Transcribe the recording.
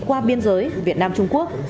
qua biên giới việt nam trung quốc